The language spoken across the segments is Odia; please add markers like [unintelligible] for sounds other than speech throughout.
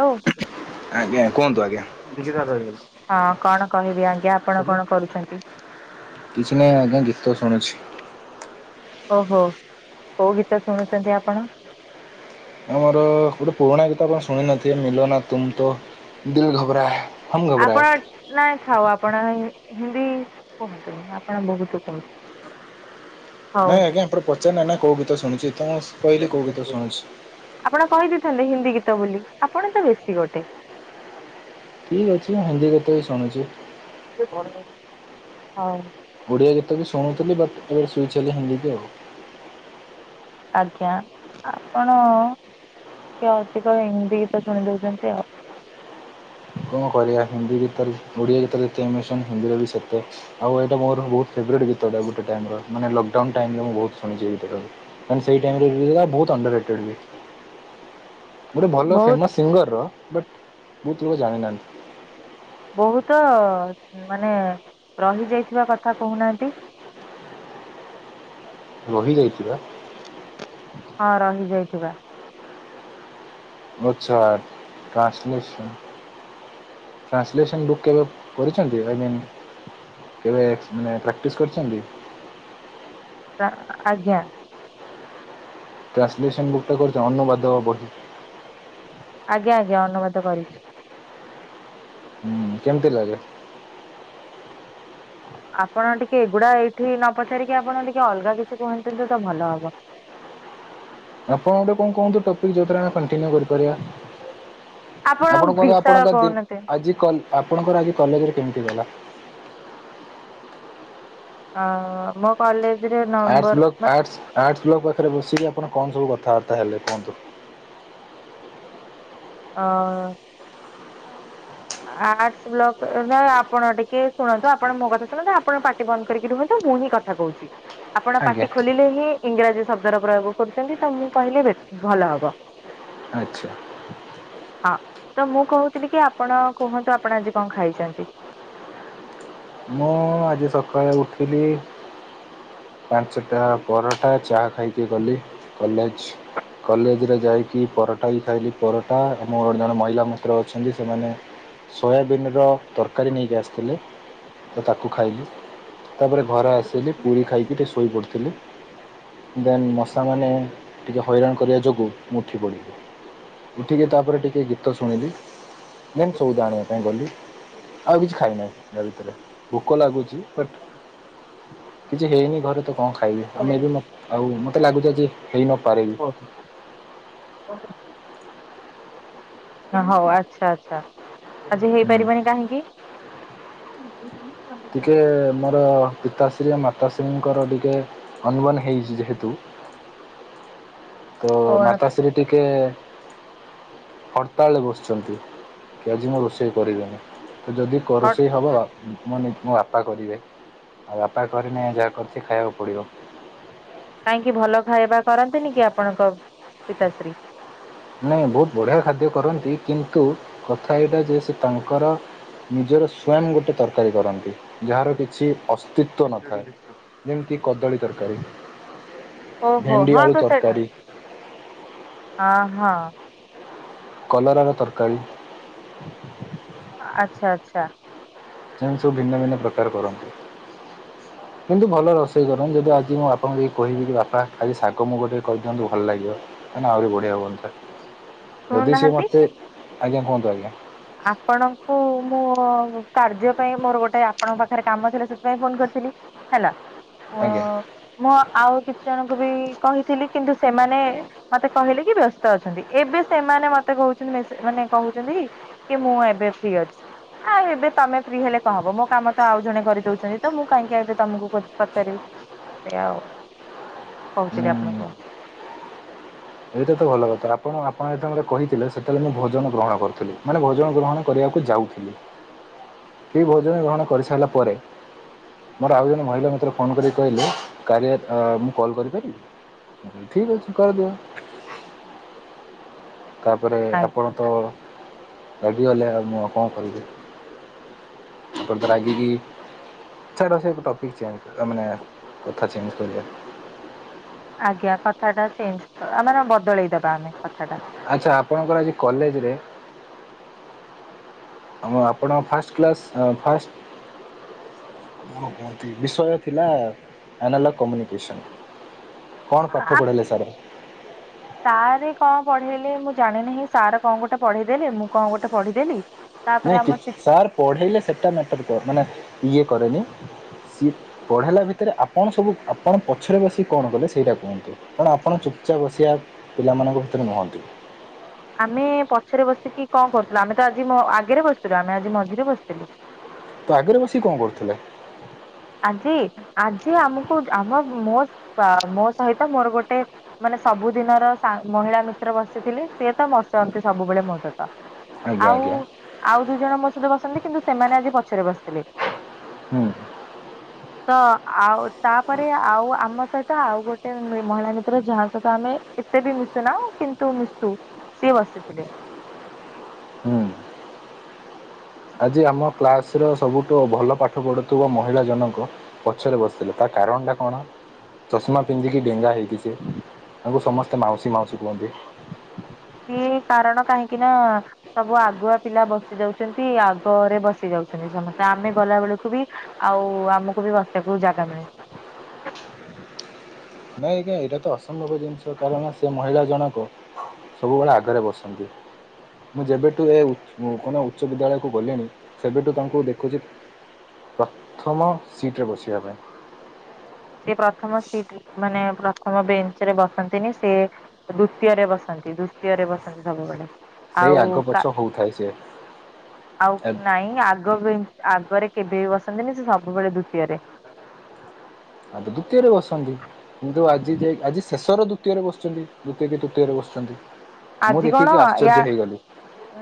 ହାଲୋ ଆଜ୍ଞା କୁହନ୍ତୁ ଆଜ୍ଞା ହଁ କଣ କହିବି ଆଜ୍ଞା ଆପଣ କଣ କରୁଛନ୍ତି? କିଛି ନାହିଁ ଆଜ୍ଞା ଗୀତ ଶୁଣୁଛି। ଓହୋ କୋଉ ଗୀତ ଶୁଣୁଚନ୍ତି ଆପଣ? ଆମର ଗୋଟେ ପୁରୁଣା ଗୀତ ଆପଣ ଶୁଣି ନଥିବେ ମିଲ ନା ତୁମ ତୋ ଦିଲ୍ ଘବରାଏ। ଆପଣ ନାଇଁ ଥାଉ ଆପଣ [unintelligible] ହିନ୍ଦୀ କୁହନ୍ତୁନି ଆପଣ ବହୁତ କୁ। ନାଇଁ ଆଜ୍ଞା ଆପଣ ପଚାରି ନାଇ ନା କୋଉ ଗୀତ ଶୁଣିଛି? ଆପଣ କହିଦେଇଥାନ୍ତେ ହିନ୍ଦୀ। ହିନ୍ଦୀ ଗୀତ ବୋଲି ଆପଣ ତ ବେଶୀ ଗୋଟେ। ଠିକ ଅଛି ମୁଁ ହିନ୍ଦୀ ଗୀତ ବି ଶୁଣିଛି। [unintelligible] ହଁ ଓଡ଼ିଆ ଗୀତ ବି ଶୁଣୁଥିଲି ବଟ୍ ଏବେ ସୁଇଚ୍ ହେଲି ହିନ୍ଦୀ କି ଆଉ। ଆଜ୍ଞା ଆପଣ- ଟିକେ ଅଧିକ ହିନ୍ଦୀ ଗୀତ ଶୁଣି ଦଉଛନ୍ତି ଆଉ। କଣ କରିବା ହିନ୍ଦୀ ଗୀତ ବି ଓଡ଼ିଆ ଗୀତ ଯେତେ ଇମୋସନ୍ ହିନ୍ଦୀର ବି ସେତେ ଆଉ ଏଇଟା ମୋର ବହୁତ- ରାଇଟ ସେଇ ଗୀତଟା ଗୋଟେ ଟାଇମ୍ ର ମାନେ ଲୋକ ଡାଉନ୍ ଟାଇମ୍ ରେ ବହୁତ ଶୁଣିଛି ଏଇ ଗୀତଟା ମାନେ ସେଇ ଟାଇମ ରେ ରିଲିଜ୍ ହେଲା ବହୁତ୍ ଅଣ୍ଡର - [unintelligible] [inaudible] ଗୋଟେ ଭଲ ବହୁତ ଫେମସ୍ ସିଙ୍ଗରର ବଟ୍ ବହୁତ ଲୋକ ଜାଣିନାହାନ୍ତି। ବହୁତ ମାନେ ରହି ଯାଇଥିବା କଥା କହୁନାହାନ୍ତି। [inaudible] ରହି ଯାଇ- ହଁ ରହି ଯାଇଥିବା। ଆଛା ଟ୍ରାସଲେସନ୍। ଟ୍ରାନ୍ସଲେସନ୍ ବୁକ୍ କେବେ କରିଛନ୍ତି ଆଇମିନ୍। କେବେ ମାନେ ପ୍ରାକ୍ଟିସ୍ କରିଛନ୍ତି। ଆ ଆଜ୍ଞା। ଟ୍ରାନ୍ସଲେସନ୍ ବୁକ୍ ଟା [unintelligible] ବାଧ୍ୟବା ବହି ଆଜ୍ଞା ଆଜ୍ଞା ଅନୁବାଦ କରିଛି। ହୁଁ କେମିତି କହିଲେ? ଆପଣ ଟିକେ ଏଗୁଡା ଏଇଠି ନ ପଚାରିକି ଆପଣ ଟିକେ ଅଲଗା କିଛି କୁହନ୍ତୁ ତ ଭଲ ହବ। ଆପଣ ଗୋଟେ କଣ କୁହନ୍ତୁ ଟପିକ ଯୋଉଥିରେ ଆମେ କଣ୍ଟିନ୍ୟୁ କରି କରିବା ଆପଣ କୁହନ୍ତୁ ବିଷୟ ଆପଣଙ୍କ ଦି କହୁନାହାନ୍ତି ଆଜି କ ଆପଣଙ୍କର ଆଜି କଲେଜରେ କେମିତି ଗଲା। ଅ ମୋ କଲେଜ ଆର୍ସ୍ ବ୍ଲ ଆର୍ ଆର୍ ବ୍ଲ [unintelligible] ପାଖରେ ବସିକି ଆପଣ କଣ ସବୁ କଥାବାର୍ତ୍ତା ହେଲେ କୁହନ୍ତୁ। ହ। ଆଟ ବ୍ଲ ନା ଆପଣ ଟିକେ ଶୁଣନ୍ତୁ ଆପଣ ମୋ କଥା ଶୁଣନ୍ତୁ ଆପଣ ପାାର୍ଟି ବନ୍ଦ କରିକି ରୁହନ୍ତୁ। ମୁହିଁ କଥା କହୁଛି, ଆପଣ ଆଜ୍ଞା ପାଟି ଖୋଲିଲେ ହିଁ ଇଂରାଜୀ ଶବ୍ଦର ପ୍ରୟୋଗ କରୁଛନ୍ତି ତ ମୁଁ କହିଲି ଭଲ ହବ। ଆଚ୍ଛା। ହଁ ତ ମୁଁ କହୁଥିଲି କି ଆପଣ କୁହନ୍ତୁ ଆପଣ ଆଜି କଣ ଖାଇଛନ୍ତି। [inaudible] ମୁଁ ଆଜି ସକାଳେ ଉଠିଲି ପାଞ୍ଚଟା ପରଟା ଚାହା ଖାଇକି ଗଲି କଲେଜ୍। କଲେଜ୍ରେ ଯାଇକି ପରଟା ବି ଖାଇଲି, ପରଟା ଆମ ଜଣେ ମହିଳା ମିତ୍ର ଅଛନ୍ତି ସେମାନେ। ସୋୟାବିନ୍ର ତରକାରୀ ନେଇକି ଆସିଥିଲେ ତ ତାକୁ ଖାଇଲି ତାପରେ ଘରେ ଆସିଲି ପୁରୀ ଖାଇକି ଟିକେ ଶୋଇ ପଡ଼ୁ ଥିଲି ଦେନ୍ ମଶାମାନେ ଟିକେ ହଇରାଣ କରିବା ଯୋଗୁଁ ମୁଁ ଉଠି ପଡ଼ିଲି। ଉଠିକି ତାପରେ ଟିକେ ଗୀତ ଶୁଣିଲି। ଦେନ୍ ସଉଦା ଆଣିବା ପାଇଁ ଗଲି ଆଉ କିଛି ଖାଇନାହିଁ ଯ ଭିତରେ। ଭୋକ ଲାଗୁଛି ବଟ୍ [inaudible] କିଛି ହେଇନି ଘରେ ତ କଣ ଖାଇବି ଆମେ ଏେ ଆଉ ମତେ ଲାଗୁଛିଜି ହେଇ ନପାରେିବି। [inaudible] ହଉ ଆଚ୍ଛା ଆଚ୍ଛା ଆଜି ହୁଁ। ହେଇପାରିବନି କାହିଁକି [inaudible] ଟିକେ ମୋର। ପିତାଶ୍ରୀ ମାତାଶ୍ରୀଙ୍କର ଟିକେ ଅନୁମାନ ହେଇଛି ଯେହେତୁ ତ କଣ? ମାତାଶ୍ରୀ ଟିକେ ହରତାଳରେ ବସିଛନ୍ତି କି ଆଜି ମୁଁ ରୋଷେଇ କରିବେନି ତ ଯଦି କ ରୋଷେଇ ହେବ ମୁଁ ମୋ ବାପା କରିବେ ଆଉ ବାପା କରିନେ ଯାହା କରି ଶି ଖାଇବାକୁ ପଡ଼ିବ। କାହିଁକି ଭଲ ଖାଇବା କରନ୍ତିନି କି ଆପଣଙ୍କ ପିତାଶ୍ରୀ। ମାନେ ବହୁତ ବଢ଼ିଆ ଖାଦ୍ୟ କରନ୍ତି କିନ୍ତୁ କଥା ଏଇଟା ଯେ ସେ ତାଙ୍କର ନିଜର ସ୍ଵୟଂ ଗୋଟେ ତରକାରୀ କରନ୍ତି ଯାହାର କିଛି ଅସ୍ତିତ୍ଵ ନଥାଏ ଯେମିତି କଦଳୀ ତରକାରୀ। ଓହୋ ଭେଣ୍ଡି ହଁ ଆଳୁ ତ ସେ ତରକାରୀ ହଁ ହଁ କଲରାର ତରକାରୀ। ଆଚ୍ଛା ଆଚ୍ଛା। ଯେମିତି ସବୁ ଭିନ୍ନ ଭିନ୍ନ ପ୍ରକାର କରନ୍ତି। [inaudible] କିନ୍ତୁ ଭଲ ରୋଷେଇ କର ଯଦି ଆଜି ମୁଁ ବାପାଙ୍କୁ ଟିକେ କିବି କି ବାପା ଖାଜି ଶାଗ ମୁଗ ଟିକେ କହିଦିଅନ୍ତୁ ଭଲ ଲାଗିବ। କାଇଁ ନା ଆହୁରି ବଢ଼ିଆ ହୁଅନିତା ଯଦି ସିଏ ଶୁଣୁନାହାନ୍ତି ମୋତେ ଆଜ୍ଞା କୁହନ୍ତୁ ଆଜ୍ଞା। ଆପଣଙ୍କୁ [unintelligible] କାର୍ଯ୍ୟ ପାଇଁ ମୋର ଗୋଟେ ଆପଣଙ୍କ ପାଖରେ କାମ ଥିଲା ସେଥିପାଇଁ ଫୋନ କରିଥିଲି ହେଲା। ଆଜ୍ଞା। ମୁଁ ଆଉ କିଛି ଜଣଙ୍କୁ ବି କହିଥିଲି କିନ୍ତୁ ସେମାନେ ମତେ କହିଲେ କି ବ୍ୟସ୍ତ ଅଛନ୍ତି ଏବେ ସେମାନେ। ମାନେ ମତେ କହୁଛନ୍ତି ମାନେ କହୁଛନ୍ତି କି ମୁଁ ଏବେ ଫ୍ରି ଅଛି। ଆଁ ଏବେ ତମେ ଫ୍ରି ହେଲେ କଣ ହବ ମୋ କାମ ତ ଆଉ ଜଣେ କରିଦଉଛନ୍ତି ତ ମୁଁ କାହିଁକି ଏବେ ତମକୁ ପଚାରିବି ସେ ଆଉ ଉଁ କହୁଥିଲି ଆପଣ କଣ ଏଇଟା ତ ଭଲ କଥା ଆପଣ ଆପଣ ଯେତେବେେ କହିଥିଲେ ସେ ତାହେଲେ ମୁଁ ଭୋଜନ ଗ୍ରହଣ କରୁଥିଲି ମାନେ ଭୋଜନ ଗ୍ରହଣ କରିବାକୁ ଯାଉଥିଲି। ଫି ଭୋଜନ ଗ୍ରହଣ କରିସାରିଲା ପରେ ମୋର ଆଉ ଜଣେ ମହଳା ମିତ୍ର ଫୋନ କରିକି କହିଲେ କାଳିଆ ମୁଁ କଲ୍ କରିପାରିବି? ଠିକ ଅଛି କରିଦିଅ। [unintelligible] ତାପର ଆ ଦ ରାଗି କି [unintelligible] ସେଟା ସେ ଟପିକ୍ ଚେଞ୍ଜ ମାନେ କଥା ଚେଞ୍ଜ କରିବା। ଆଜ୍ଞା କଥା ଟା ଚେଞ୍ଜ ମାନେ ବଦଳେଇ ଦବା ଆମେ କଥା ଟା ଆଚ୍ଛା ଆପଣଙ୍କର ଆଜି କଲେଜରେ ଆ ଆପଣ ଫାଷ୍ଟ କ୍ଲାସ୍ ଫାଷ୍ଟ ବିଷୟ ଥିଲା ଆନାଲଗ କମ୍ୟୁନିକେସନ୍ କଣ ପାଠ ପଢ଼ିଇଲେ ସାର୍? ସାର କଣ ପଢେଇଲି ମୁଁ ଜାଣି ନାହିଁ, ସାର କଣ ଗୋଟେ ପଢେଇଦେଲେ, ମୁଁ କଣ ଗୋଟେ ପଢ଼ିଦେଲି ନାଇଁ କି ସାର୍ ପଢ଼େଇଲେ ସେଟା ମ୍ୟାଟର କର ମାନେ ଇଏ କରେନି? [unintelligible] ଉଚ୍ଚା ବସିିଆ ପିଲାମାନଙ୍କ ଭିତରେ ନୁହନ୍ତି। ହଁ [inaudible] ଆମେ ପଛରେ ବସିକି କଣ କରୁଥିଲୁ ଆମେ ତ ଆଜି ଆଗରେ ବସିଥିଲୁ ଆମେ ଆଜି ମଝିରେ ବସିଥିଲୁ ତ ଆଗରେ ବସିିକି କଣ କରୁଥିଲେ? ଆଜି ଆଜି ଆମକୁ ଆମ ମୋ ମୋ ସହିତ ମୋର ଗୋଟେ ମାନେ ସବୁଦିନର ମହିଳା ମିତ୍ର ବସିଥିଲେ, ସିଏ ତ ବସନ୍ତି ସବୁବେଳେ ମୋ ସହିତ ଆଜ୍ଞା ଆଉ ଆଜ୍ଞା ଆଉ ଦୁଇ ଜଣ ମୋ ସହିତ ବସନ୍ତି କିନ୍ତୁ ସେମାନେ ଆଜି ପଛରେ ବସିଥିଲେ। ହୁଁ ତ ଆଉ ତାପରେ ଆଉ ଆମ ସହିତ ଆଉ ଗୋଟେ ମହିଳା ମିତ୍ର ଯାହା ସହିତ ଆମେ କେତେ ବି ମିଶୁନା କିନ୍ତୁ ମିଶୁ ସିଏ ବସିଥିଲେ। [inaudible] ହୁଁ ଆଜି ଆମ କ୍ଲାସ ର ସବୁଠୁ ଭଲ ପାଠ ପଢୁଥିବା ମହିଳା ଜଣକ ପଛରେ ବସିଥିଲେ ତା କାରଣ ଟା କଣ? ଚଷମା ପିନ୍ଧିକି ଡେଙ୍ଗା ହେଇକି ସେ ତାଙ୍କୁ ସମସ୍ତେ ମାଉସୀ ମାଉସୀ କୁହନ୍ତି। ସିଏ କାରଣ କାହିଁକି ନା ସବୁ ଆଗୁଆ ପିଲା ବସି ଯାଉଛନ୍ତି ଆଗରେ ବସି ଯାଉଛନ୍ତି। ସମସ୍ତେ ଆମେ ଗଲା ବେଳକୁ ବି ଆଉ ଆମକୁ ବି ବସିବାକୁ ଜାଗା ମିଳୁ [inaudible] ନାଇଁ ଆଜ୍ଞା, ଏଇଟା ତ ଅସମ୍ଭବ ଜିନିଷ କାରଣ ସେ ମହିଳା ଜଣକ ସବୁବେଳେ ଆଗରେ ବସନ୍ତି। ମୁଁ ଯେବେଠୁ ଏ କଣ ଉଚ୍ଚ ବିଦ୍ୟାଳୟକୁ ଗଲିଣି ସେବେଠୁ ତାଙ୍କୁ ଦେଖୁଛି ପ୍ରଥମ ସିଟରେ ବସିବା ପାଇଁ ସେ ପ୍ରଥମ ସିଟ ମାନେ ପ୍ରଥମ ବେଞ୍ଚ ରେ ବସନ୍ତିନି, ସେ ଦ୍ଵିତୀୟରେ ବସନ୍ତି, ଦ୍ଵିତୀୟରେ ବସନ୍ତି ସବୁବେଳେ। ସେଇ ଆଉ ଆଗ ପଛ କା ହଉଥାଏ ସେ ଆଉ ନାଇଁ ଆଗ ବେଞ୍ଚ ଆଗ ଘରେ କେବେ ବି ବସନ୍ତିନି ସେ ସବୁବେଳେ ଦ୍ଵିତୀୟରେ ଆ ତ ଦ୍ୱିତୀୟରେ ବସନ୍ତି କିନ୍ତୁ ଆ ଜି ଆଜି ଶେଷର ଦ୍ୱିତୀୟରେ ବସିଚନ୍ତି, ଦ୍ୱିତୀୟ କି ତୃତୀୟରେ ବସିଚନ୍ତି। ଆଜି କଣ ୟା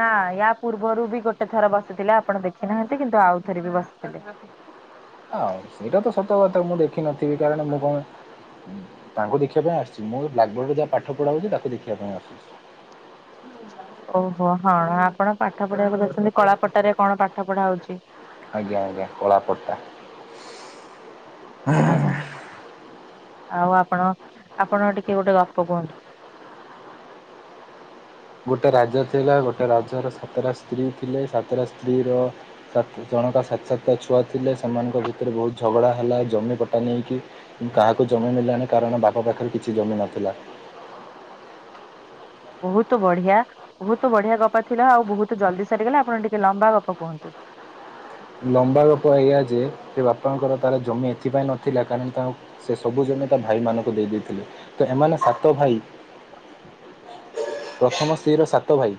ନାଁ ୟା ପୂର୍ବରୁ ବି ଗୋଟେ ଥର ବସ ସିଥିଲେ ଆପଣ ଦେଖିନାହାନ୍ତି କିନ୍ତୁ ଆଉଥରେ ବି ବସିଥିଲେ। ଆଉ ସେଇଟା ତ ସତ କଥା ମୁଁ ଦେଖିନଥିବି କାରଣ ମୁଁ କଣ ତାଙ୍କୁ ଦେଖିବା ପାଇଁ ଆସିଚି ମୁଁ ବ୍ଲାକବୋର୍ଡ଼ ରେ ଯାହା ପାଠ ପଢାହେଉଚି ତାକୁ ଦେଖିବାପାଇଁ ଆସୁଚି। ଓ ହଁ ଆପଣ ପାଠ ପଢିବାକୁ ଦେଖୁଚନ୍ତି କଳାପଟାରେ କଣ ପାଠ ପଢା ହଉଚି। ଆଜ୍ଞା ଆଜ୍ଞା କଳାପଟା ଆଜ୍ଞା ଆଉ ଆପଣ ଆପଣ ଟିକେ ଗୋଟେ ଗପ କୁହନ୍ତୁ। ଗୋଟେ ରାଜା ଥିଲା। ଗୋଟେ ରାଜା ର ସାତଟା ସ୍ତ୍ରୀ ଥିଲେ। ସାତଟା ସ୍ତ୍ରୀ ର ସାତ ସା ଜଣକା ସାତ ସାତଟା ଛୁଆ ଥିଲେ। ସେମାନଙ୍କ ଭିତରେ ବହୁତ ଝଗଡ଼ା ହେଲା ଜମି ପଟା ନେଇକି। କିନ୍ତୁ କାହାକୁ ଜ ଜମି ମିଳିଲାନି କାରଣ ବାପା ପାଖରେ କିଛି ଜମି ନଥିଲା। ବହୁତ ବଢିଆ, ବହୁତ ବଢିଆ ଗପ ଥିଲା। ଆଉ ବହୁତ ଜଲଦି ସରିିଗଲା। ଆପଣ ଟିକେ ଲମ୍ବା ଗପ କୁହନ୍ତୁ। [inaudible] ଲମ୍ବା ଗପ ଏଇଆ ଯେ ସେ ବାପାଙ୍କର ତାର ଜମି ଏଥିପାଇଁ ନଥିଲା କାରଣ ତାଙ୍କ ସେ ସବୁ ଜମି ତା ଭାଇ ମାନଙ୍କୁ ଦେଇ ଦେଇଥିଲେ। ତ ଏମାନେ ସାତ ଭାଇ ପ୍ରଥମ ସ୍ତ୍ରୀର ସାତ ଭାଇ।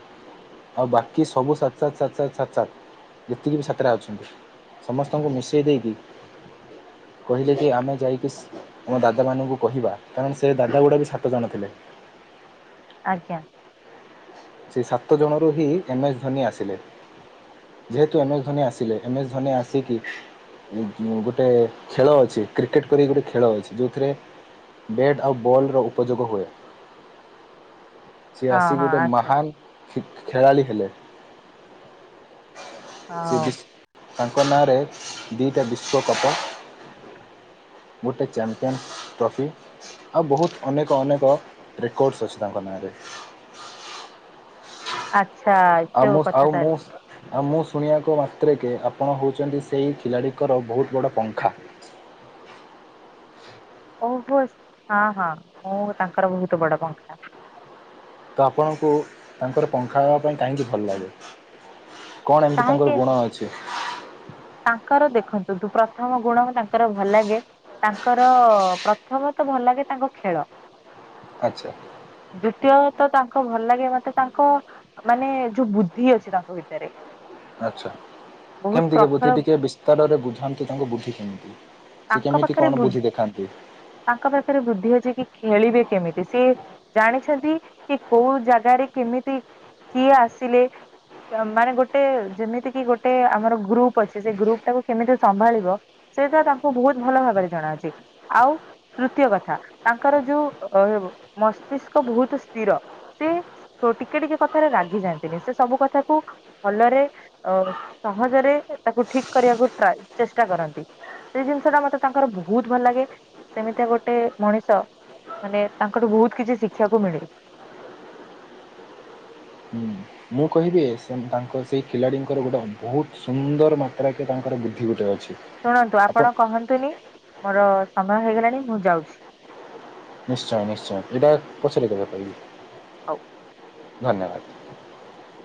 ଆଉ ବାକି ସବୁ ସାତ ସାତ ସାତ ସାତ ସାତ ସାତ ଯେତିକି ବି ସାତଟା ଅଛ ଛନ୍ତି, ସମସ୍ତଙ୍କୁ ମିଶେଇ ଦେଇକି କହିଲେ କି ଆମେ ଯାଇକି ଆମ ଦାଦା ମାନଙ୍କୁ କହିବା କାରଣ ସେ ଦାଦା ଗୁଡା ବି ସାତ ଜଣ ଥିଲେ। ଆଜ୍ଞା। ସେ ସାତ ଜଣରୁ ହିଁ ଏମ ଏସ୍ ଧୋନି ଆସିଲେ। ଯେହେତୁ ଏମ ଏସ୍ ଧୋନି ଆସିଲେ ଏମ୍ ଏସ୍ ଧୋନି ଆସିକି ଇ, ଯୁଁ-ଗୋଟେ ଖେଳ ଅଛି କ୍ରିକେଟ୍ କରିକି ଗୋଟେ ଖେଳ ଅଛି। ଯୋଉଥିରେ ବେଟ୍ ଆଉ ବଲ୍ ର ଉପଯୋଗ ହୁଏ। ହଁ, ହଁ, ଆଚ୍ଛା। ଖିକ୍ ଖେଳାଳି ହେଲେ। ସେ ହଉ ବିସ୍ ତାଙ୍କ ନାଁରେ ଦିଟା ବିଶ୍ୱକପ ଗୋଟେ ଚାମ୍ପିୟାନ ଟ୍ରଫି ଆଉ ବହୁତ ଅନେକ ଅନେକ ରେକର୍ଡ଼ସ୍ ଅଛି ତାଙ୍କ ନାଁରେ। [inaudible] ଆ ଆମସ ଆଉ ମୁସ ଆ ମୁସ ଶୁଣିବାକୁ ମାତ୍ରେକ ଆପଣ ହଉଚନ୍ତି ସେଇ ଖିଲାଡ଼ିଙ୍କର ବହୁତ ବଡ଼ ପଙ୍ଖା। ଓହୋ, ହଁ, ହଁ, ମୁଁ ତାଙ୍କର ବହୁତ ବଡ ପଙ୍ଖା। ତ ଆପଣଙ୍କୁ ତାଙ୍କର ପଙ୍ଖା ହେବା ପାଇଁ କାହିଁକି ଭଲ ଲାଗେ? କଣ ଏମିତି ତାଙ୍କର କାହିଁକି ଗୁଣ ଅଛି? ତାଙ୍କର ଦେଖନ୍ତୁ ଦୁ-ପ୍ରଥମ ଗୁଣ ତାଙ୍କର ଭଲ ଲାଗେ ତାଙ୍କର ପ୍ର ପ୍ରଥମତଃ ଭଲ ଲାଗେ ତାଙ୍କ ଖେଳ। ଆଚ୍ଛା ଦ୍ଵୁତୀୟ ତ ତାଙ୍କ ଭଲ ଲାଗେ ମୋତେ ତାଙ୍କ ମାନେ ଯୋଉ ବୁଦ୍ଧି ଅଛି ତାଙ୍କ ଭିତରେ। ଆଚ୍ଛା ବହୁତ କେମତି କା ବୁଦ୍ଧି ପ୍ରଖର ଟିକେ ବିସ୍ତାରରେ ବୁଝାନ୍ତୁ ତାଙ୍କ ବୁଦ୍ଧି କେମିତି। ସେ ତାଙ୍କ କେମିତି ପାଖରେ କଣ ବୁଦ୍, ବୁଦ୍ଧି ଦେଖାନ୍ତି? ତାଙ୍କ ପାଖରେ ବୁଦ୍ଧି ଅଛି କି ଖେଳିବେ କେମିତି। ସେ ଜାଣିଛନ୍ତି କି କୋଉ ଜାଗାରେ କେମିତି କିଏ ଆସିଲେ ତ ମାନେ ଗୋଟେ ଯେମିତି କି ଗୋଟେ ଆମର ଗ୍ରୁପ୍ ଅଛି। ସେ ଗ୍ରୁପ୍ ଟାକୁ କେମିତି ସମ୍ଭାଳିବ ସେଇଟା ତା ବୁ ବହୁତ ଭଲ ଭାବରେ ଜଣାଅଛି। ଆଉ ତୃତୀୟ କଥା ତାଙ୍କର ଯୋଉ ଅହେବ ମସ୍ ସ୍ତିଷ୍କ ବହୁତ ସ୍ଥିର। ସେ ଓ ଟିକେ ଟିକେ କଥାରେ ରାଗି ଯାଆନ୍ତିନି। ସେ ସବୁ କଥାକୁ ଭଲରେ ଅ, ସହଜରେ ସେ ତାକୁ ଠିକ କରିବାକୁ ଟ୍ରାଏ, ଚେଷ୍ଟା କରନ୍ତି। ସେଇ ଜିନିଷ ଟା ମୋତେ ତାଙ୍କର ବହୁତ ଭଲ ଲାଗେ। ସେମିତି ଗୋଟେ ମଣିଷ ମାନେ ତାଙ୍କଠୁ ବହୁତ କିଛି ଶିଖିବାକୁ ମିଳେ। ହୁଁ। ମୁଁ କହିବି ସେ ତାଙ୍କର ସେହି ଖେଳାଳିଙ୍କର ଗୋଟେ ବହୁତ ସୁନ୍ଦର ମାତ୍ରାକେ ତାଙ୍କର ବୁଦ୍ଧି ଗୋଟେ ଅଛି। ଶୁଣନ୍ତୁ ଆପଣ କହନ୍ତୁନି। ମୋର ସମୟ ହେଇଗଲାଣି ମୁଁ ଯାଉଛି। ନିଶ୍ଚୟ ନିଶ୍ଚୟ ଏଇଟା ପଛରେ କେବେ କହିବି। ହଉ। ଧନ୍ୟବାଦ।